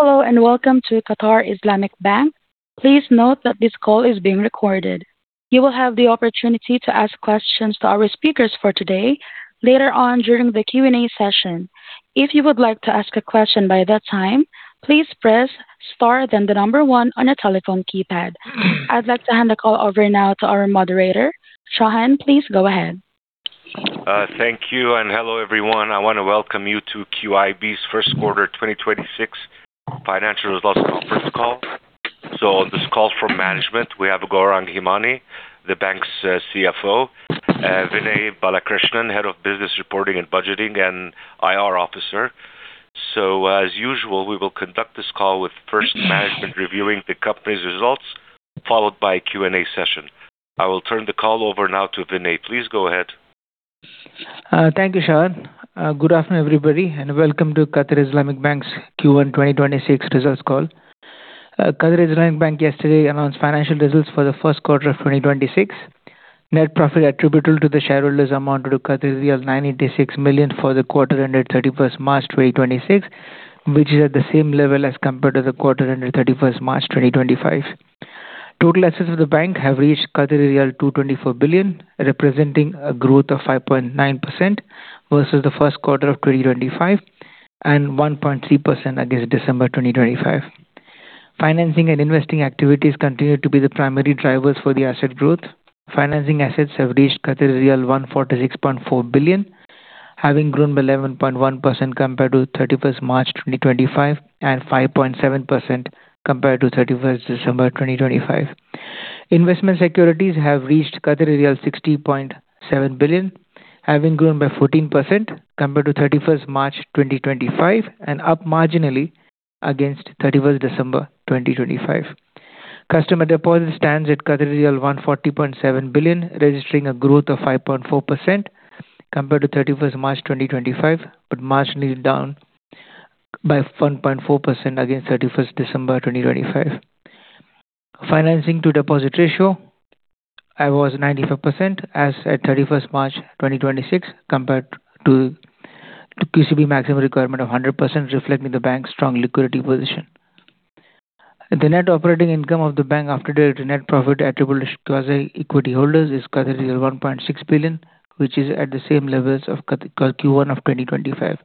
Hello, and welcome to Qatar Islamic Bank. Please note that this call is being recorded. You will have the opportunity to ask questions to our speakers for today later on during the Q&A session. If you would like to ask a question by that time, please press star then the number one on your telephone keypad. I'd like to hand the call over now to our moderator. Shahan, please go ahead. Thank you, and hello everyone. I want to welcome you to QIB's first quarter 2026 financial results conference call. On this call from management, we have Gourang Hemani, the Bank's CFO. Vinay Balakrishnan, Head of Business Reporting and Budgeting, and IR Officer. As usual, we will conduct this call with first management reviewing the company's results, followed by a Q&A session. I will turn the call over now to Vinay. Please go ahead. Thank you, Shahan. Good afternoon, everybody, and welcome to Qatar Islamic Bank's Q1 2026 results call. Qatar Islamic Bank yesterday announced financial results for the first quarter of 2026. Net profit attributable to the shareholders amounted to 986 million for the quarter ended 31st March 2026, which is at the same level as compared to the quarter ended 31st March 2025. Total assets of the bank have reached 224 billion, representing a growth of 5.9% versus the first quarter of 2025, and 1.3% against December 2025. Financing and investing activities continued to be the primary drivers for the asset growth. Financing assets have reached 146.4 billion, having grown by 11.1% compared to 31st March 2025 and 5.7% compared to 31st December 2025. Investment securities have reached 60.7 billion, having grown by 14% compared to 31st March 2025 and up marginally against 31st December 2025. Customer deposits stands at 140.7 billion, registering a growth of 5.4% compared to 31st March 2025, but marginally down by 1.4% against 31st December 2025. Financing to deposit ratio was 95% as at 31st March 2026 compared to QCB maximum requirement of 100%, reflecting the bank's strong liquidity position. The net operating income of the bank after deducting net profit attributable to Quasi-Equity holders is 1.6 billion, which is at the same levels of Q1 of 2025.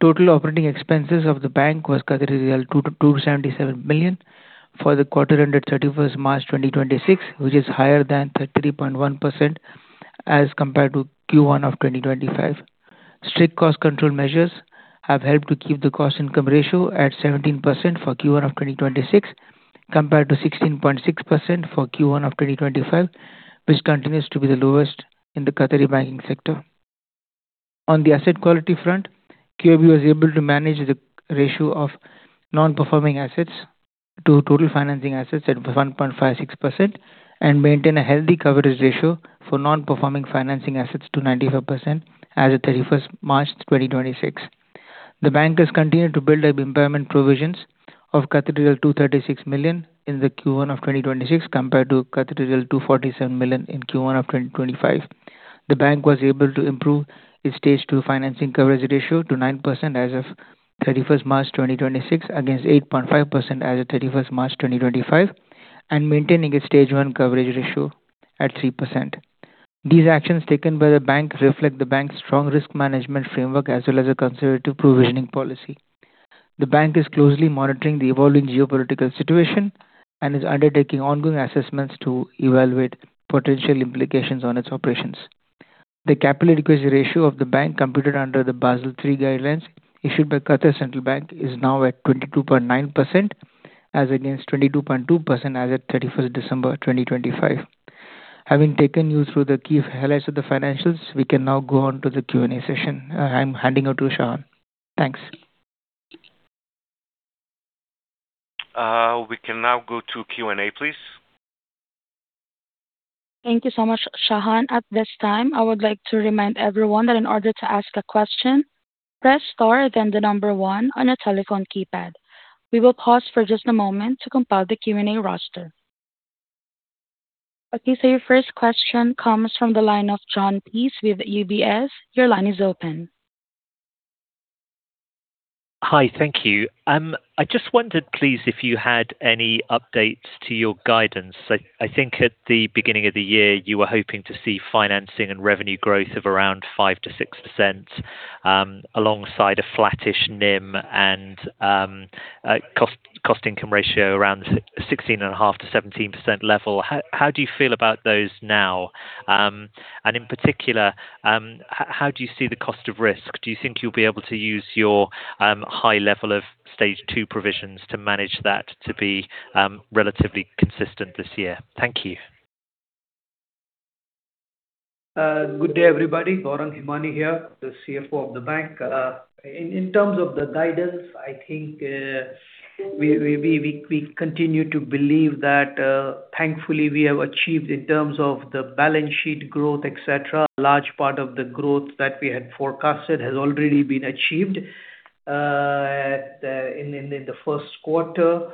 Total operating expenses of the bank was 277 million for the quarter ended 31st March 2026, which is higher than 33.1% as compared to Q1 of 2025. Strict cost control measures have helped to keep the cost income ratio at 17% for Q1 of 2026 compared to 16.6% for Q1 of 2025, which continues to be the lowest in the Qatari banking sector. On the asset quality front, QIB was able to manage the ratio of non-performing assets to total financing assets at 1.56% and maintain a healthy coverage ratio for non-performing financing assets to 95% as at 31st March 2026. The bank has continued to build up impairment provisions of 236 million in the Q1 of 2026 compared to 247 million in Q1 of 2025. The bank was able to improve its Stage 2 financing coverage ratio to 9% as of 31st March 2026 against 8.5% as of 31st March 2025 and maintaining its Stage 1 coverage ratio at 3%. These actions taken by the bank reflect the bank's strong risk management framework as well as a conservative provisioning policy. The bank is closely monitoring the evolving geopolitical situation and is undertaking ongoing assessments to evaluate potential implications on its operations. The capital adequacy ratio of the bank computed under the Basel III guidelines issued by Qatar Central Bank is now at 22.9% as against 22.2% as at 31st December 2025. Having taken you through the key highlights of the financials, we can now go on to the Q&A session. I'm handing over to Shahan. Thanks. We can now go to Q&A please. Thank you so much, Shahan. At this time, I would like to remind everyone that in order to ask a question, press star then the number one on your telephone keypad. We will pause for just a moment to compile the Q&A roster. Okay, your first question comes from the line of Jon Peace with UBS. Your line is open. Hi. Thank you. I just wondered please if you had any updates to your guidance. I think at the beginning of the year you were hoping to see financing and revenue growth of around 5%-6% alongside a flattish NIM and cost-to-income ratio around 16.5%-17% level. How do you feel about those now? In particular, how do you see the cost of risk? Do you think you'll be able to use your high level of Stage 2 provisions to manage that to be relatively consistent this year? Thank you. Good day everybody. Gourang Hemani here, the CFO of the bank. In terms of the guidance, I think we continue to believe that, thankfully, we have achieved in terms of the balance sheet growth, et cetera, a large part of the growth that we had forecasted has already been achieved in the first quarter.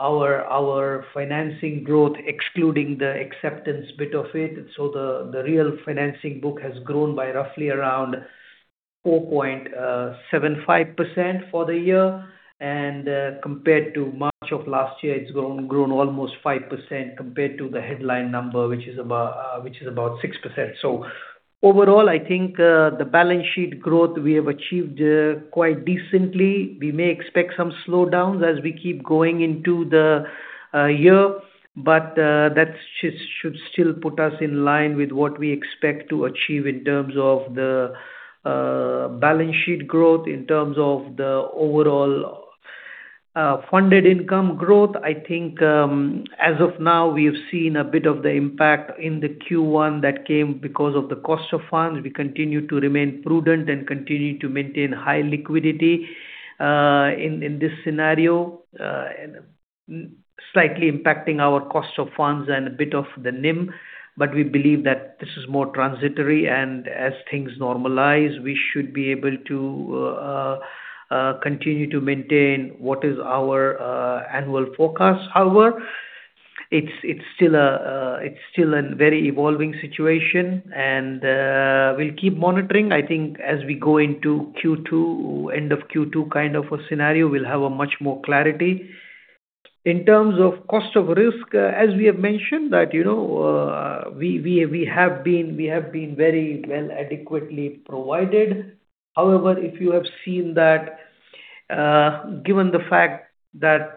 Our financing growth, excluding the acceptance bit of it, so the real financing book has grown by roughly around 4.75% for the year. Compared to March of last year, it's grown almost 5% compared to the headline number, which is about 6%. Overall, I think the balance sheet growth we have achieved quite decently. We may expect some slowdowns as we keep going into the year, but that should still put us in line with what we expect to achieve in terms of the balance sheet growth, in terms of the overall funded income growth. I think as of now, we have seen a bit of the impact in the Q1 that came because of the cost of funds. We continue to remain prudent and continue to maintain high liquidity, in this scenario, slightly impacting our cost of funds and a bit of the NIM. We believe that this is more transitory, and as things normalize, we should be able to continue to maintain what is our annual forecast. However, it's still a very evolving situation, and we'll keep monitoring. I think as we go into Q2, end of Q2 kind of a scenario, we'll have a much more clarity. In terms of cost of risk, as we have mentioned that we have been very well adequately provided. However, if you have seen that, given the fact that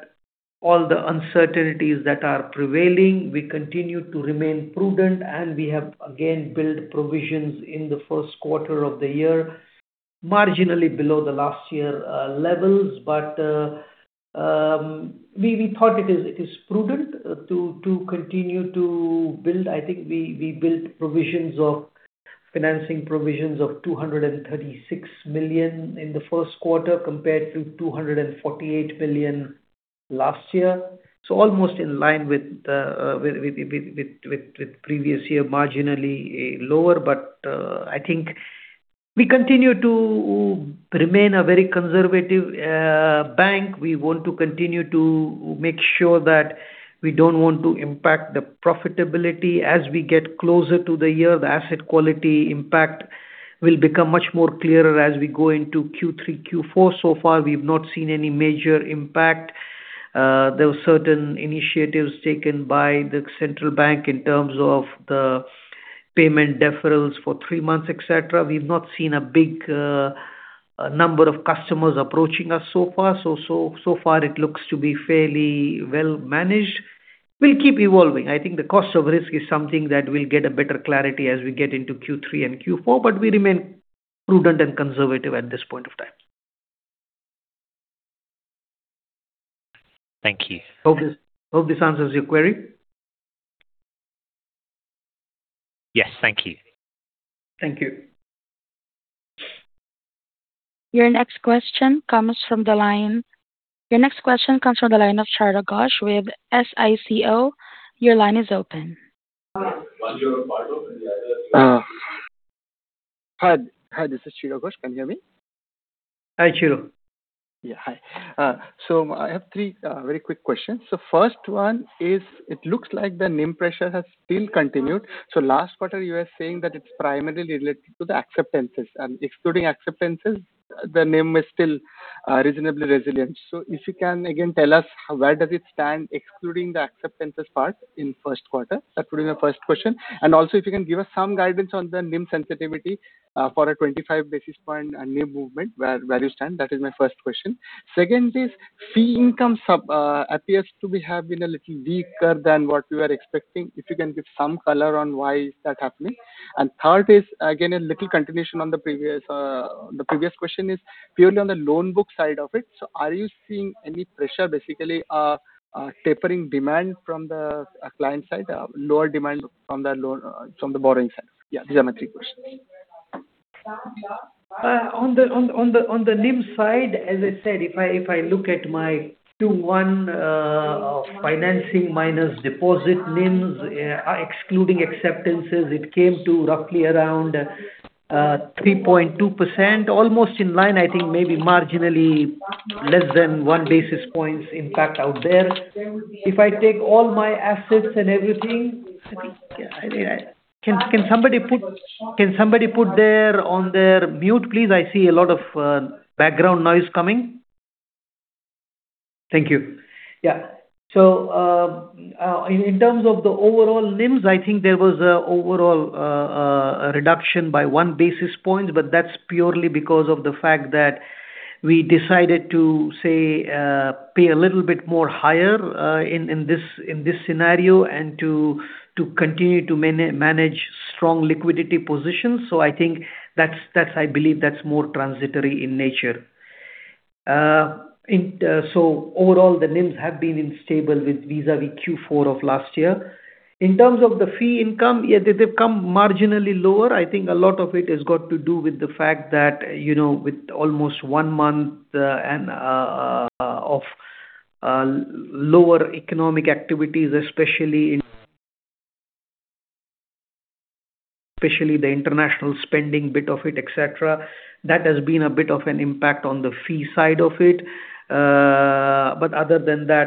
all the uncertainties that are prevailing, we continue to remain prudent, and we have again built provisions in the first quarter of the year, marginally below the last year levels. We thought it is prudent to continue to build. I think we built financing provisions of 236 million in the first quarter compared to 248 million last year. Almost in line with the previous year, marginally lower. I think we continue to remain a very conservative bank. We want to continue to make sure that we don't want to impact the profitability. As we get closer to the year, the asset quality impact will become much more clearer as we go into Q3, Q4. Far, we've not seen any major impact. There were certain initiatives taken by the Central Bank in terms of the payment deferrals for three months, et cetera. We've not seen a big number of customers approaching us so far. So far it looks to be fairly well managed. We'll keep evolving. I think the cost of risk is something that we'll get a better clarity as we get into Q3 and Q4, but we remain prudent and conservative at this point of time. Thank you. Hope this answers your query. Yes. Thank you. Thank you. Your next question comes from the line of Chira Ghosh with SICO. Your line is open. Hi, this is Chira Ghosh. Can you hear me? Hi, [Chira]. Yeah, hi. I have three very quick questions. First one is, it looks like the NIM pressure has still continued. Last quarter, you were saying that it's primarily related to the acceptances, and excluding acceptances, the NIM is still reasonably resilient. If you can again tell us where does it stand, excluding the acceptances part in first quarter? That will be my first question. Also if you can give us some guidance on the NIM sensitivity for a 25 basis point NIM movement, where you stand. That is my first question. Second is fee income appears to have been a little weaker than what we were expecting. If you can give some color on why is that happening. Third is again, a little continuation on the previous question is purely on the loan book side of it. Are you seeing any pressure basically tapering demand from the client side? Lower demand from the borrowing side? Yeah, these are my three questions. On the NIM side, as I said, if I look at my Q1 financing minus deposit NIMS, excluding acceptances, it came to roughly around 3.2%, almost in line, I think maybe marginally less than one basis point impact out there. Can somebody put on their mute, please? I see a lot of background noise coming. Thank you. Yeah. In terms of the overall NIMS, I think there was an overall reduction by one basis point, but that's purely because of the fact that we decided to, say, pay a little bit more higher in this scenario and to continue to manage strong liquidity positions. I believe that's more transitory in nature. Overall, the NIMS have been stable with vis-à-vis Q4 of last year. In terms of the fee income, yeah, they've come marginally lower. I think a lot of it has got to do with the fact that with almost one month of lower economic activities, especially in the international spending bit of it, et cetera. That has been a bit of an impact on the fee side of it.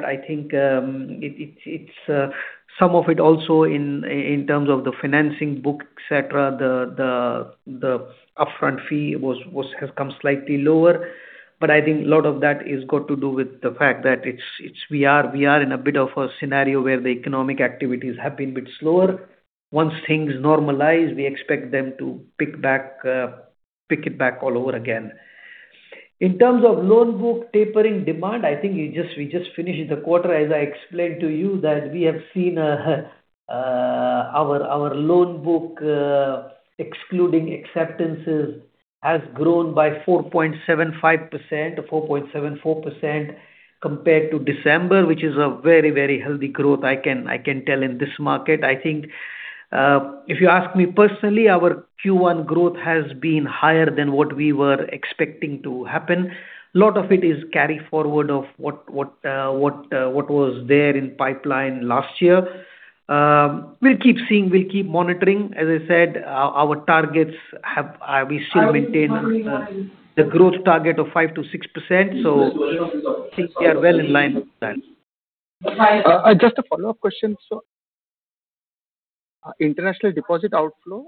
I think some of it also in terms of the financing book, et cetera, the upfront fee has come slightly lower. I think a lot of that is got to do with the fact that we are in a bit of a scenario where the economic activities have been a bit slower. Once things normalize, we expect them to pick it back all over again. In terms of loan book tapering demand, I think we just finished the quarter, as I explained to you that we have seen our loan book, excluding acceptances, has grown by 4.75%, 4.74% compared to December, which is a very, very healthy growth I can tell in this market. I think, if you ask me personally, our Q1 growth has been higher than what we were expecting to happen. A lot of it is carry forward of what was there in pipeline last year. We'll keep seeing, we'll keep monitoring. As I said, our targets, we still maintain the growth target of 5%-6%, so I think we are well in line with that. Just a follow-up question, sir. International deposit outflow?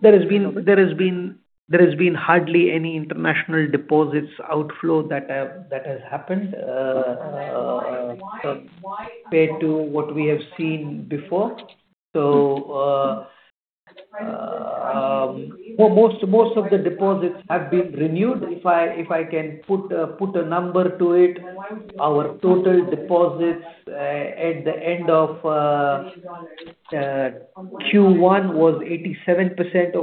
There has been hardly any international deposits outflow that has happened compared to what we have seen before. Most of the deposits have been renewed. If I can put a number to it, our total deposits at the end of Q1 was 13%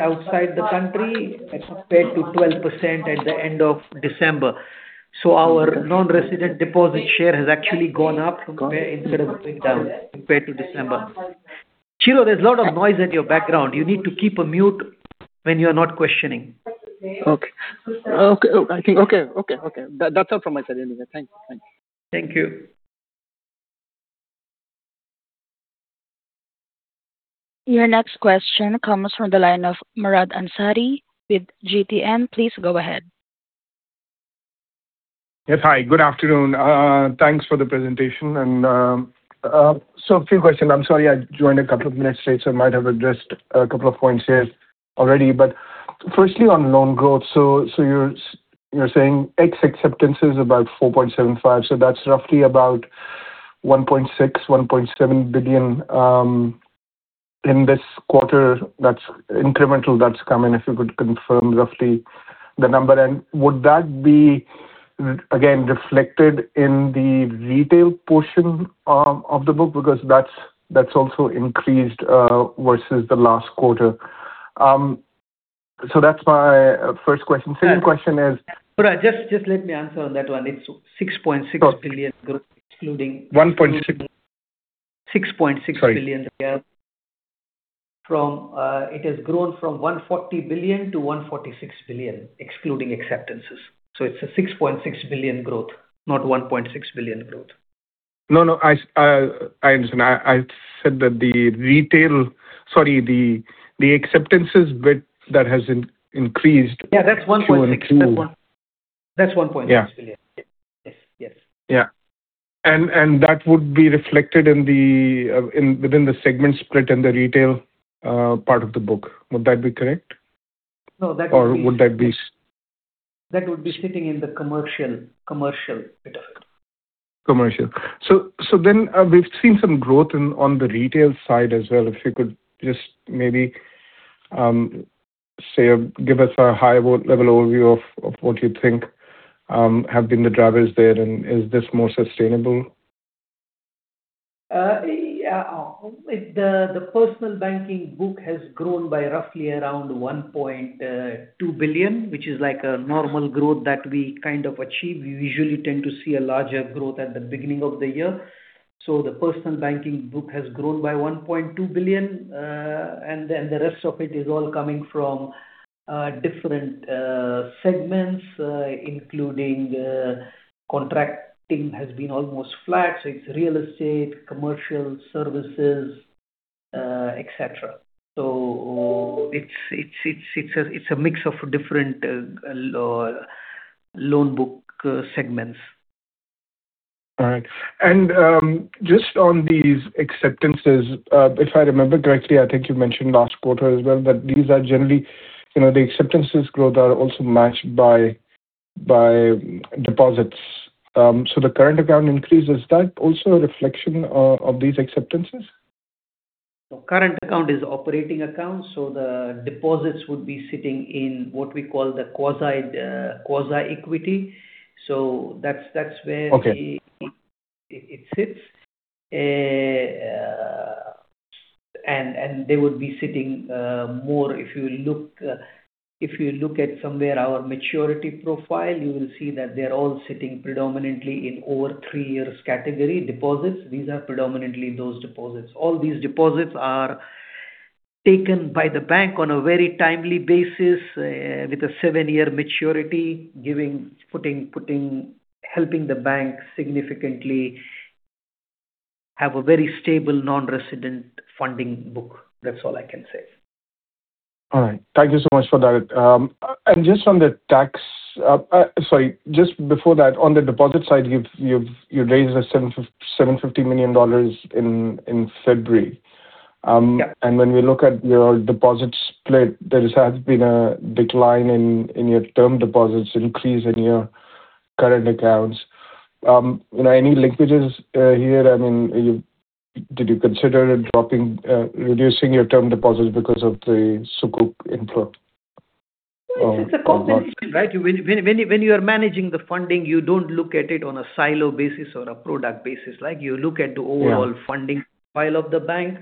outside the country as compared to 12% at the end of December. Our Non-Resident Deposits share has actually gone up from where it instead of being down compared to December. Chira, there's a lot of noise in your background. You need to keep muted when you're not questioning. Okay. I think, okay. That's all from my side anyway. Thank you. Thank you. Your next question comes from the line of Murad Ansari with GTN. Please go ahead. Yes. Hi, good afternoon. Thanks for the presentation. A few questions. I'm sorry, I joined a couple of minutes late, so might have addressed a couple of points here already. Firstly, on loan growth, so you're saying acceptances is about 4.75%. That's roughly about 1.6 billion-QAR1.7 billion in this quarter, that's incremental, that's come in, if you could confirm roughly the number. Would that be again, reflected in the retail portion of the book? Because that's also increased versus the last quarter. That's my first question. Second question is- Murad, just let me answer on that one. It's QAR6.6 billion growth excluding- QAR1.6 billion? QAR6.6 billion. Sorry. It has grown from 140 billion-QAR146 billion, excluding acceptances. It's a 6.6 billion growth, not 1.6 billion growth. No, I understand. I said that the acceptances bit that has increased- Yeah, that's 1.6 billion. Yeah. Yes. Yeah. That would be reflected within the segment split in the retail part of the book. Would that be correct? No, that would be- Or would that be- That would be sitting in the commercial bit of it. We've seen some growth on the retail side as well. If you could just maybe give us a high-level overview of what you think have been the drivers there, and is this more sustainable? The personal banking book has grown by roughly around 1.2 billion, which is like a normal growth that we kind of achieve. We usually tend to see a larger growth at the beginning of the year. The personal banking book has grown by 1.2 billion. The rest of it is all coming from different segments, including contracting has been almost flat. It's real estate, commercial services, et cetera. It's a mix of different loan book segments. All right. Just on these acceptances, if I remember correctly, I think you mentioned last quarter as well that these are generally the acceptances growth are also matched by deposits. The current account increase, is that also a reflection of these acceptances? Current account is operating account, so the deposits would be sitting in what we call the Quasi-Equity. That's where- Okay... it sits. They would be sitting more, if you look at our maturity profile, you will see that they're all sitting predominantly in over three years category deposits. These are predominantly those deposits. All these deposits are taken by the bank on a very timely basis, with a seven-year maturity, helping the bank significantly have a very stable non-resident funding book. That's all I can say. All right. Thank you so much for that. Just before that, on the deposit side, you've raised $750 million in February. Yeah. When we look at your deposit split, there has been a decline in your term deposits, increase in your current accounts. Any leakages here? Did you consider reducing your term deposits because of the Sukuk inflow? It's a combination, right? When you are managing the funding, you don't look at it on a silo basis or a product basis, right? You look at the- Yeah Overall funding profile of the bank.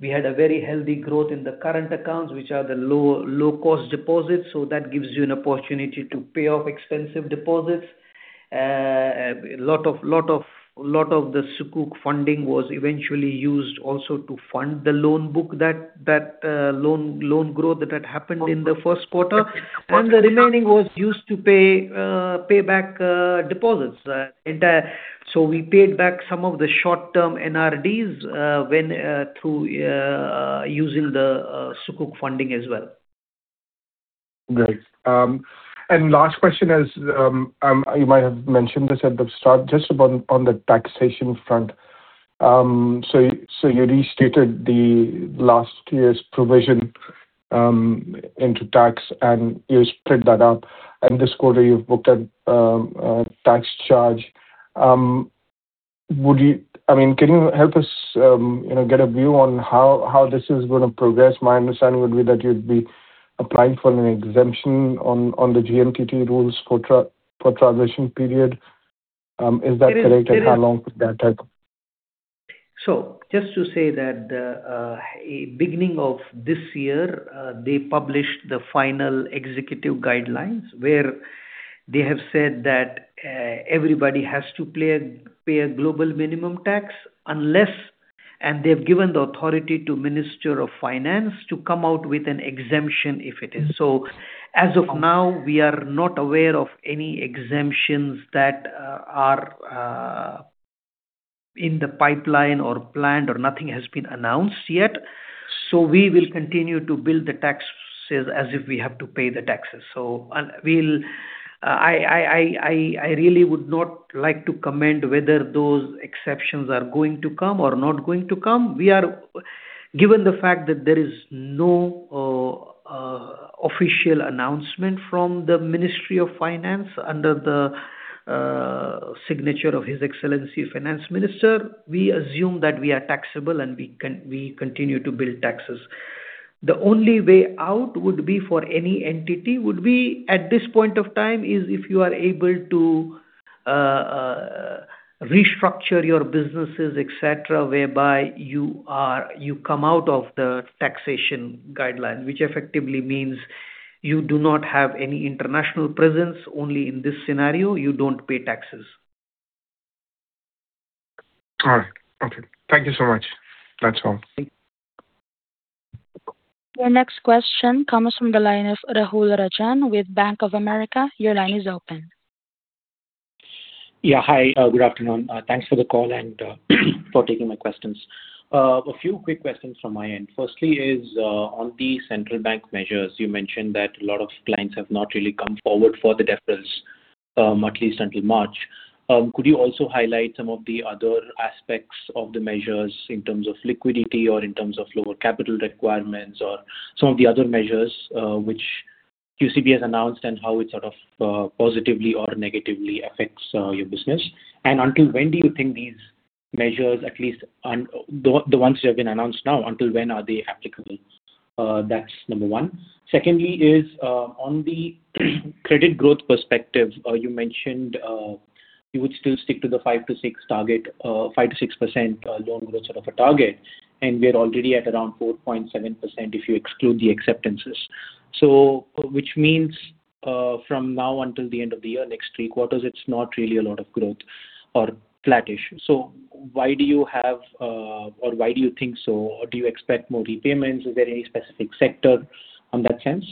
We had a very healthy growth in the current accounts, which are the low-cost deposits, so that gives you an opportunity to pay off expensive deposits. A lot of the Sukuk funding was eventually used also to fund the loan book, that loan growth that had happened in the first quarter. The remaining was used to pay back deposits. We paid back some of the short-term NRDs through using the Sukuk funding as well. Great. Last question is, you might have mentioned this at the start, just on the taxation front. You restated the last year's provision into tax, and you split that up, and this quarter you've booked a tax charge. Can you help us get a view on how this is going to progress? My understanding would be that you'd be applying for an exemption on the GMT rules for transition period. Is that correct? It is. How long could that take? Just to say that, beginning of this year they published the final executive guidelines where they have said that everybody has to pay a Global Minimum Tax, unless they've given the authority to the Minister of Finance to come out with an exemption, if it is. As of now, we are not aware of any exemptions that are in the pipeline or planned or nothing has been announced yet. We will continue to build the tax base as if we have to pay the taxes. I really would not like to comment whether those exemptions are going to come or not going to come. Given the fact that there is no official announcement from the Ministry of Finance under the signature of His Excellency Finance Minister, we assume that we are taxable and we continue to build taxes. The only way out would be for any entity, at this point of time, is if you are able to restructure your businesses, et cetera, whereby you come out of the taxation guideline, which effectively means you do not have any international presence. Only in this scenario, you don't pay taxes. All right. Okay. Thank you so much. That's all. Your next question comes from the line of Rahul Rajan with Bank of America. Your line is open. Yeah. Hi, good afternoon. Thanks for the call and for taking my questions. A few quick questions from my end. Firstly is, on the Central Bank measures, you mentioned that a lot of clients have not really come forward for the deferral, at least until March. Could you also highlight some of the other aspects of the measures in terms of liquidity or in terms of lower capital requirements or some of the other measures, which QCB has announced and how it sort of positively or negatively affects your business? Until when do you think these measures, at least the ones which have been announced now, until when are they applicable? That's number one. Secondly is, on the credit growth perspective, you mentioned, you would still stick to the 5%-6% loan growth sort of a target, and we're already at around 4.7% if you exclude the acceptances. Which means, from now until the end of the year, next three quarters, it's not really a lot of growth or flat-ish. Why do you think so? Or do you expect more repayments? Is there any specific sector on that sense?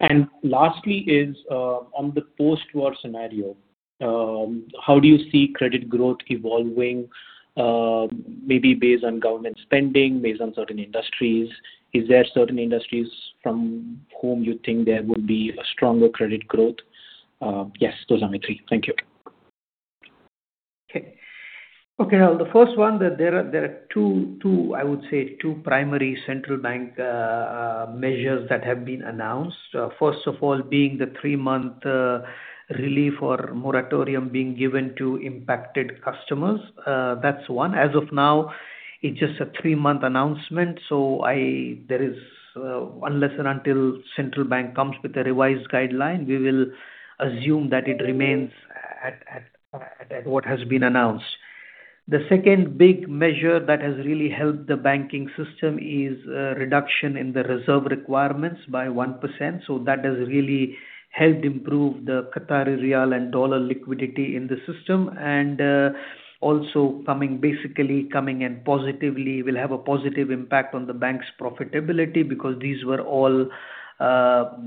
And lastly is, on the post-war scenario, how do you see credit growth evolving? Maybe based on government spending, based on certain industries. Is there certain industries from whom you think there would be a stronger credit growth? Yes, those are my three. Thank you. Okay. Okay, now the first one, there are two, I would say two primary central bank measures that have been announced. First of all being the three-month relief or moratorium being given to impacted customers. That's one. As of now, it's just a three-month announcement, so unless and until the central bank comes with a revised guideline, we will assume that it remains at what has been announced. The second big measure that has really helped the banking system is a reduction in the reserve requirements by 1%. That has really helped improve the Qatari riyal and dollar liquidity in the system. Also basically coming and will have a positive impact on the bank's profitability because these were all,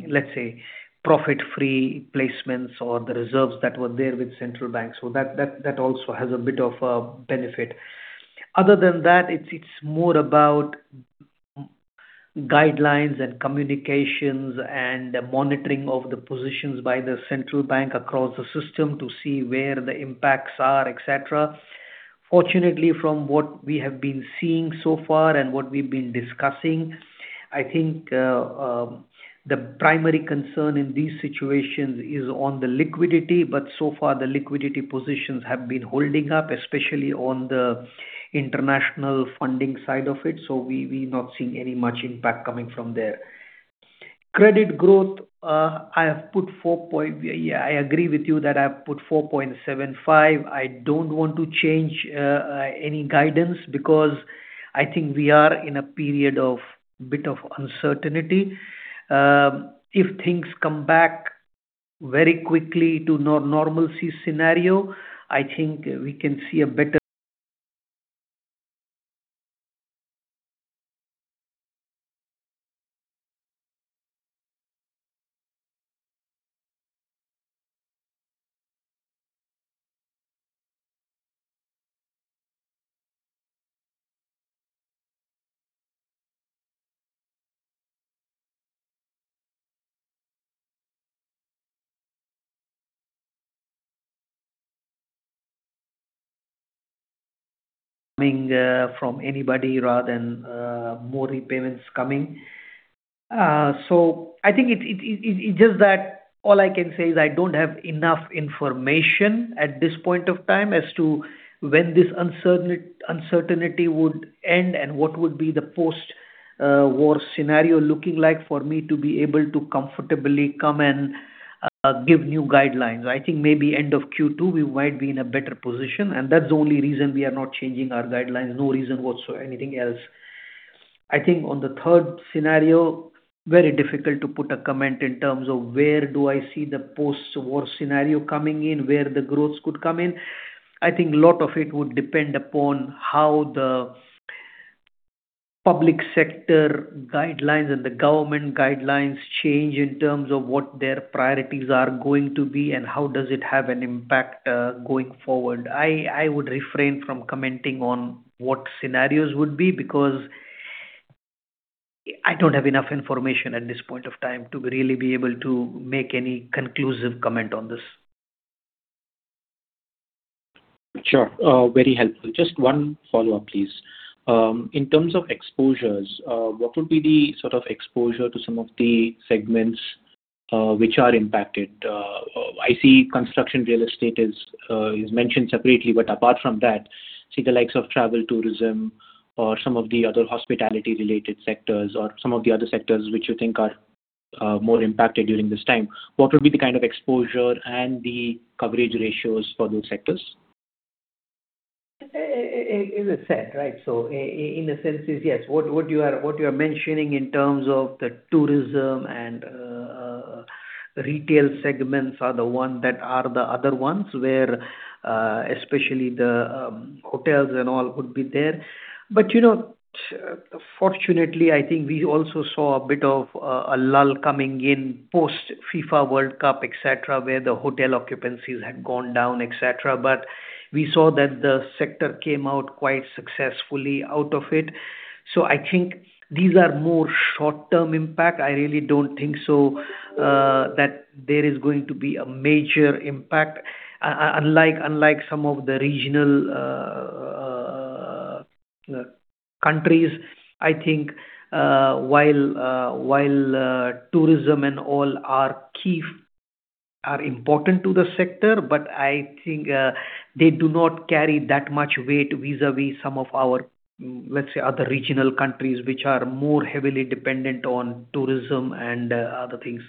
let's say, profit-free placements or the reserves that were there with central banks. That also has a bit of a benefit. Other than that, it's more about guidelines and communications and the monitoring of the positions by the central bank across the system to see where the impacts are, et cetera. Fortunately, from what we have been seeing so far and what we've been discussing, I think the primary concern in these situations is on the liquidity. So far the liquidity positions have been holding up, especially on the international funding side of it. We're not seeing much impact coming from there. Credit growth, I agree with you that I've put 4.75%. I don't want to change any guidance because I think we are in a period of a bit of uncertainty. If things come back very quickly to normalcy scenario, I think we can see a better coming from anybody rather than more repayments coming. I think it's just that all I can say is I don't have enough information at this point of time as to when this uncertainty would end and what would be the post-war scenario looking like for me to be able to comfortably come and give new guidelines. I think maybe end of Q2 we might be in a better position, and that's the only reason we are not changing our guidelines. No reason whatsoever anything else. I think on the third scenario, very difficult to put a comment in terms of where do I see the post-war scenario coming in, where the growth could come in. I think a lot of it would depend upon how the public sector guidelines and the government guidelines change in terms of what their priorities are going to be and how does it have an impact going forward. I would refrain from commenting on what scenarios would be because I don't have enough information at this point of time to really be able to make any conclusive comment on this. Sure. Very helpful. Just one follow-up please. In terms of exposures, what would be the sort of exposure to some of the segments which are impacted? I see construction real estate is mentioned separately but apart from that, say, the likes of travel tourism or some of the other hospitality-related sectors or some of the other sectors which you think are more impacted during this time. What would be the kind of exposure and the coverage ratios for those sectors? In a sense, yes. What you are mentioning in terms of the tourism and retail segments are the ones that are the other ones where especially the hotels and all would be there. Fortunately, I think we also saw a bit of a lull coming in post-FIFA World Cup, et cetera, where the hotel occupancies had gone down, et cetera. We saw that the sector came out quite successfully out of it. I think these are more short-term impact. I really don't think so that there is going to be a major impact. Unlike some of the regional countries, I think while tourism and all are important to the sector, but I think they do not carry that much weight vis-à-vis some of our, let's say, other regional countries which are more heavily dependent on tourism and other things.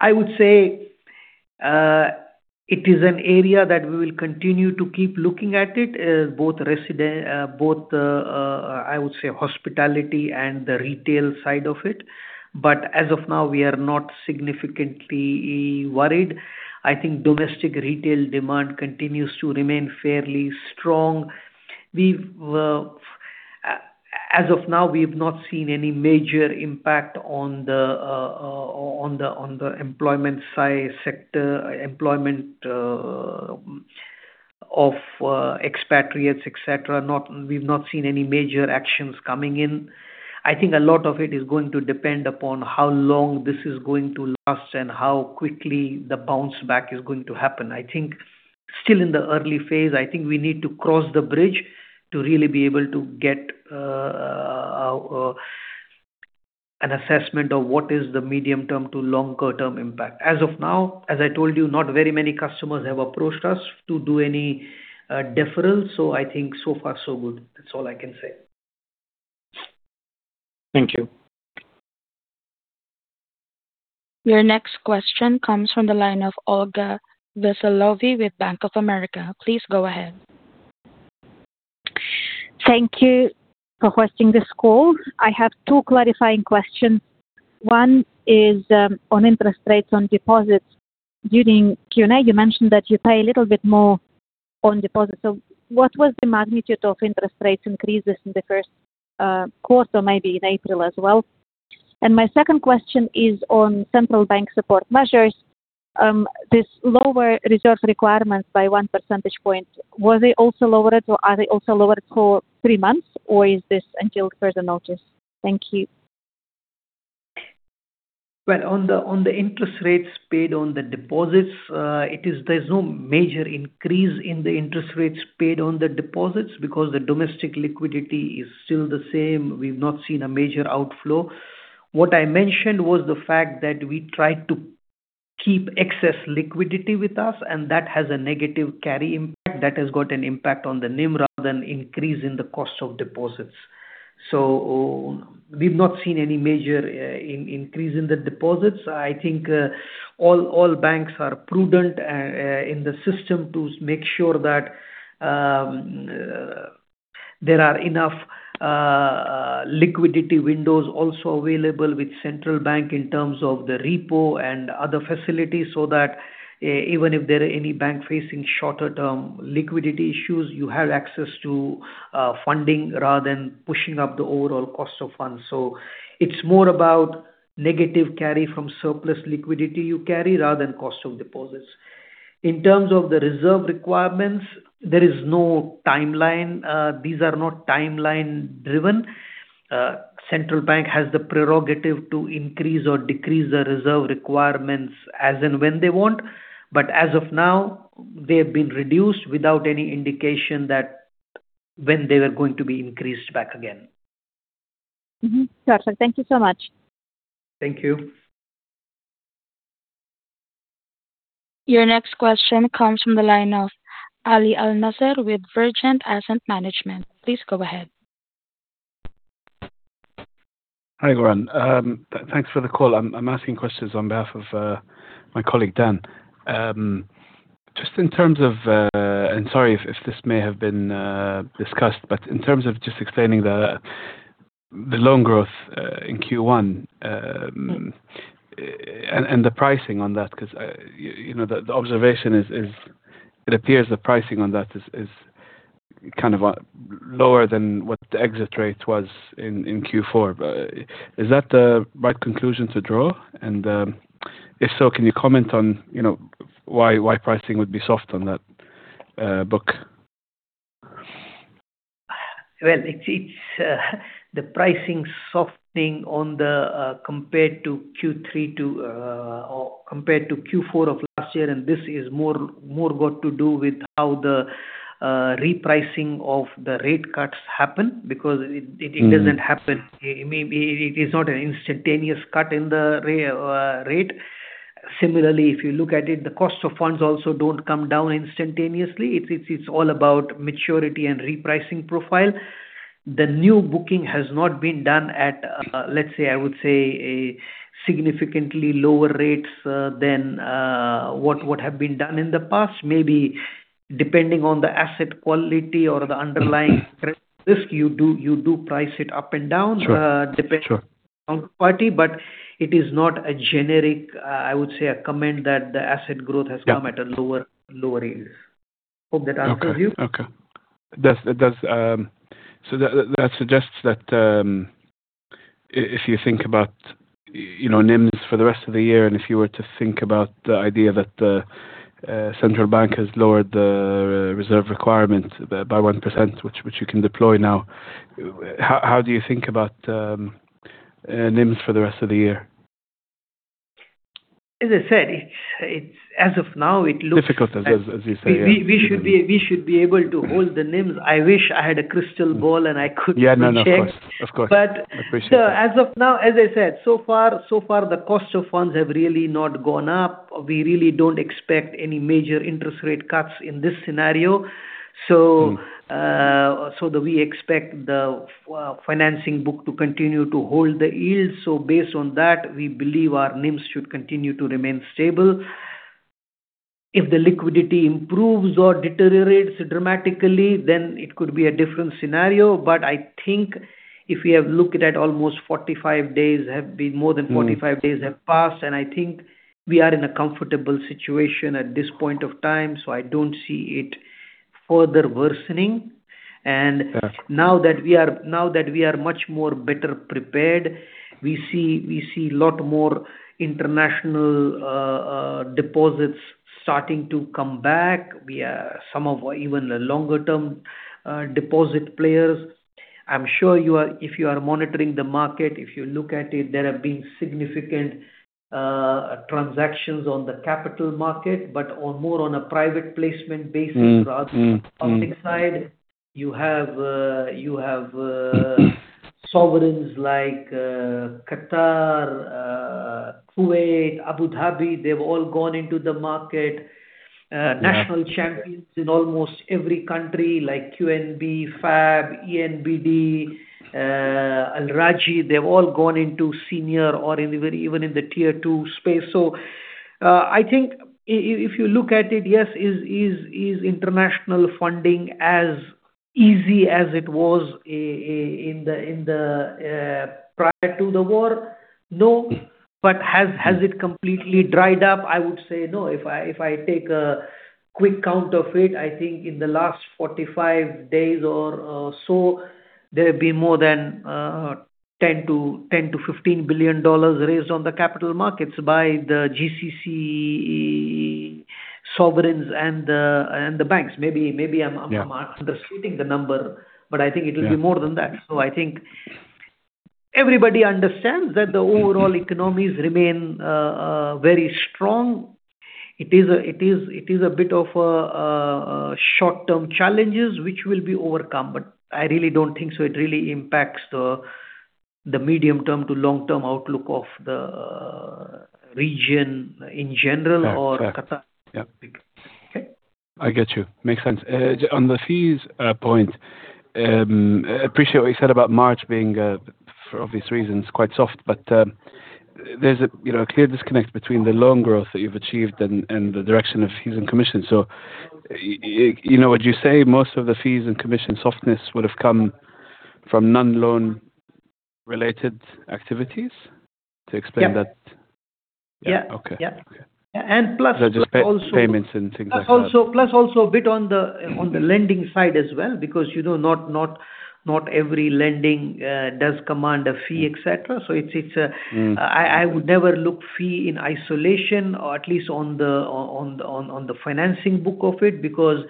I would say it is an area that we will continue to keep looking at it, both, I would say, hospitality and the retail side of it. As of now we are not significantly worried. I think domestic retail demand continues to remain fairly strong. As of now, we've not seen any major impact on the employment sector, employment of expatriates, et cetera. We've not seen any major actions coming in. I think a lot of it is going to depend upon how long this is going to last and how quickly the bounce back is going to happen. I think still in the early phase, I think we need to cross the bridge to really be able to get an assessment of what is the medium term to longer-term impact. As of now, as I told you, not very many customers have approached us to do any deferral. I think so far so good. That's all I can say. Thank you. Your next question comes from the line of Olga Veselova with Bank of America. Please go ahead. Thank you for hosting this call. I have two clarifying questions. One is on interest rates on deposits. During Q&A, you mentioned that you pay a little bit more On deposits. What was the magnitude of interest rates increases in the first quarter, maybe in April as well? My second question is on Central Bank support measures. This lowering reserve requirements by 1 percentage point, were they also lowered, or are they also lowered for three months? Or is this until further notice? Thank you. Well, on the interest rates paid on the deposits, there's no major increase in the interest rates paid on the deposits because the domestic liquidity is still the same. We've not seen a major outflow. What I mentioned was the fact that we tried to keep excess liquidity with us, and that has a negative carry impact that has got an impact on the NIM rather than increase in the cost of deposits. We've not seen any major increase in the deposits. I think all banks are prudent in the system to make sure that there are enough liquidity windows also available with central bank in terms of the repo and other facilities, so that even if there are any bank facing shorter term liquidity issues, you have access to funding rather than pushing up the overall cost of funds. It's more about negative carry from surplus liquidity you carry rather than cost of deposits. In terms of the reserve requirements, there is no timeline. These are not timeline-driven. Central Bank has the prerogative to increase or decrease the reserve requirements as and when they want. As of now, they have been reduced without any indication of when they were going to be increased back again. Mm-hmm. Got it. Thank you so much. Thank you. Your next question comes from the line of Ali Alnasser with Vergent Asset Management. Please go ahead. Hi, Gourang. Thanks for the call. I'm asking questions on behalf of my colleague, Dan. Sorry if this may have been discussed, but in terms of just explaining the loan growth, in Q1 and the pricing on that, because the observation is it appears the pricing on that is kind of lower than what the exit rate was in Q4. Is that the right conclusion to draw? And if so, can you comment on why pricing would be soft on that book? Well, the pricing softening compared to Q4 of last year, and this is more what has to do with how the repricing of the rate cuts happen because it doesn't happen. It is not an instantaneous cut in the rate. Similarly, if you look at it, the cost of funds also don't come down instantaneously. It's all about maturity and repricing profile. The new booking has not been done at, let's say, I would say a significantly lower rates than what have been done in the past. Maybe depending on the asset quality or the underlying credit risk you do price it up and down. Sure depending on the party, but it is not a generic, I would say, a comment that the asset growth has come at a lower rate. Hope that answers you. Okay. That suggests that if you think about NIMS for the rest of the year, and if you were to think about the idea that the central bank has lowered the reserve requirements by 1%, which you can deploy now, how do you think about NIMS for the rest of the year? As I said, as of now, it looks. Difficult, as you say, yeah. We should be able to hold the NIMS. I wish I had a crystal ball and I could predict. Yeah. No, of course. I appreciate that. As of now, as I said, so far the cost of funds have really not gone up. We really don't expect any major interest rate cuts in this scenario. We expect the financing book to continue to hold the yields. Based on that, we believe our NIMS should continue to remain stable. If the liquidity improves or deteriorates dramatically, then it could be a different scenario. I think if we have looked at almost 45 days, more than 45 days have passed, and I think we are in a comfortable situation at this point of time, so I don't see it further worsening. Yeah. Now that we are much more better prepared, we see a lot more international deposits starting to come back. Some of the even longer-term deposit players. I'm sure if you are monitoring the market, if you look at it, there have been significant transactions on the capital market, but more on a private placement basis rather than public side. You have sovereigns like Qatar, Kuwait, Abu Dhabi, they've all gone into the market. National champions in almost every country like QNB, FAB, ENBD, Al Rajhi, they've all gone into Senior or even in the Tier 2 space. I think if you look at it, yes, is international funding as easy as it was prior to the war, no. But has it completely dried up? I would say no. If I take a quick count of it, I think in the last 45 days or so, there have been more than $10 billion-$15 billion raised on the capital markets by the GCC sovereigns and the banks. Yeah undershooting the number, but I think it will be. Yeah more than that. I think everybody understands that the overall economies remain very strong. It is a bit of short-term challenges which will be overcome, but I really don't think so it really impacts the medium term to long-term outlook of the region in general. Fair or Qatar. Yeah. Okay. I get you. Makes sense. On the fees point, appreciate what you said about March being, for obvious reasons, quite soft, but there's a clear disconnect between the loan growth that you've achieved and the direction of fees and commissions. Would you say most of the fees and commission softness would have come from non-loan related activities? To explain that. Yeah. Okay. Yeah. Okay. And plus also- just payments and things like that. plus also a bit on the lending side as well, because not every lending does command a fee, et cetera. It's a- Mm. I would never look at fees in isolation or at least at the financing book of it, because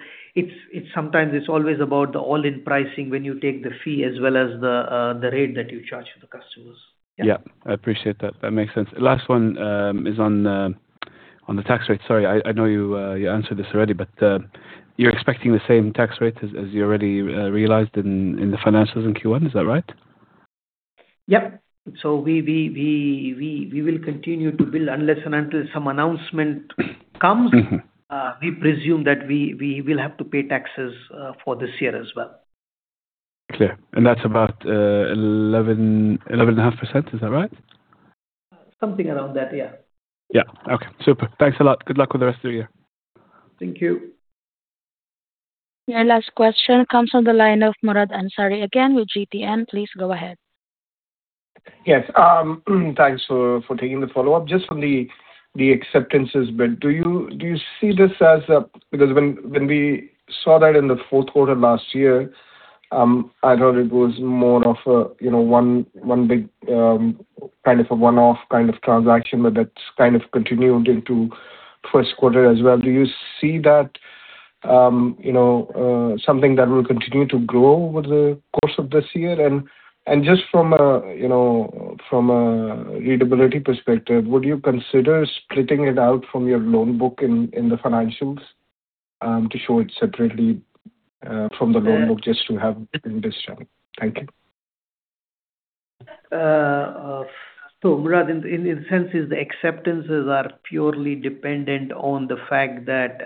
sometimes it's always about the all-in pricing when you take the fee as well as the rate that you charge for the customers. Yeah. Yeah. I appreciate that. That makes sense. Last one is on the tax rate. Sorry, I know you answered this already, but you're expecting the same tax rate as you already realized in the financials in Q1. Is that right? Yep. We will continue to bill unless and until some announcement comes. Mm-hmm. We presume that we will have to pay taxes for this year as well. Clear. That's about 11.5%, is that right? Something around that, yeah. Yeah. Okay. Super. Thanks a lot. Good luck with the rest of the year. Thank you. Your last question comes from the line of Murad Ansari again with GTN. Please go ahead. Yes. Thanks for taking the follow-up. Just on the acceptances bit, do you see this as, because when we saw that in the fourth quarter last year, I thought it was more of one big, kind of a one-off kind of transaction, but that's kind of continued into first quarter as well. Do you see that as something that will continue to grow over the course of this year? Just from a readability perspective, would you consider splitting it out from your loan book in the financials to show it separately from the loan book just to have industry? Thank you. Murad, in a sense, the acceptances are purely dependent on the fact that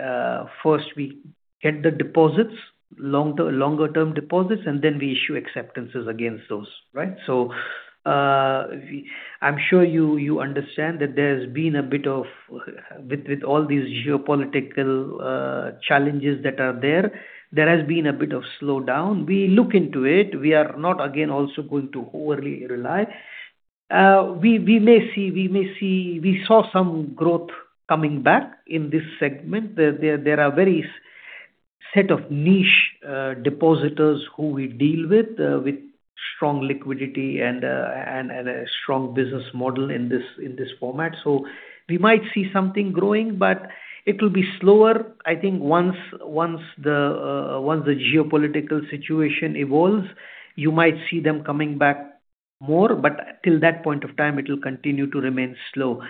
first we get the deposits, longer term deposits, and then we issue acceptances against those, right? I'm sure you understand that there's been a bit of, with all these geopolitical challenges that are there has been a bit of slowdown. We look into it. We are not, again, also going to overly rely. We saw some growth coming back in this segment. There are various set of niche depositors who we deal with strong liquidity and a strong business model in this format. We might see something growing, but it will be slower. I think once the geopolitical situation evolves, you might see them coming back more, but till that point of time, it will continue to remain slow.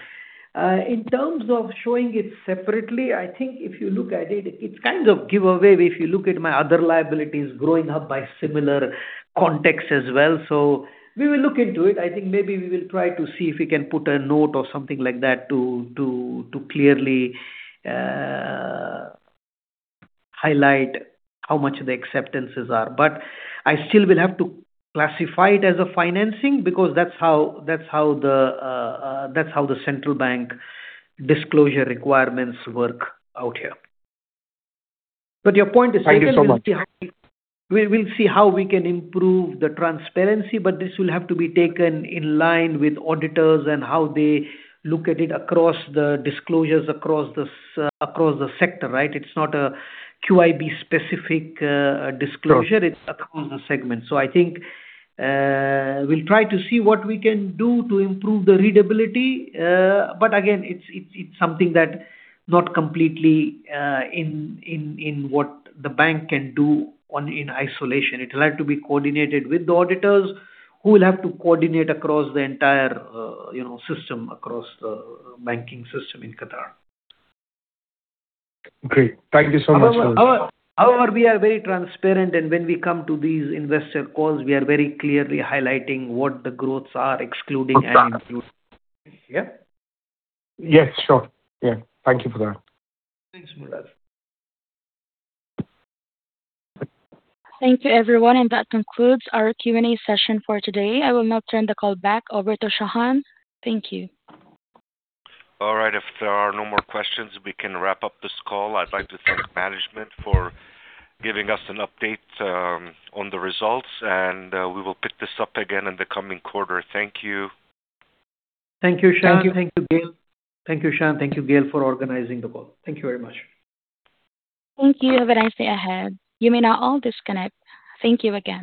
In terms of showing it separately, I think if you look at it's kind of giveaway, if you look at my other liabilities growing up by similar context as well. We will look into it. I think maybe we will try to see if we can put a note or something like that to clearly highlight how much the acceptances are. I still will have to classify it as a financing because that's how the central bank disclosure requirements work out here. Your point is taken- Thank you so much. We'll see how we can improve the transparency, but this will have to be taken in line with auditors and how they look at it across the disclosures across the sector, right? It's not a QIB specific disclosure. Sure It's across the segment. I think we'll try to see what we can do to improve the readability. Again, it's something that not completely within what the bank can do in isolation. It'll have to be coordinated with the auditors who will have to coordinate across the entire system, across the banking system in Qatar. Great. Thank you so much. However, we are very transparent and when we come to these Investor calls, we are very clearly highlighting what the growths are excluding and including. Yeah? Yes, sure. Yeah. Thank you for that. Thanks, Murad. Thank you everyone, and that concludes our Q&A session for today. I will now turn the call back over to Shahan. Thank you. All right. If there are no more questions, we can wrap up this call. I'd like to thank management for giving us an update on the results, and we will pick this up again in the coming quarter. Thank you. Thank you, Shahan. Thank you, Gail. Thank you Shahan, thank you Gail for organizing the call. Thank you very much. Thank you. Have a nice day ahead. You may now all disconnect. Thank you again.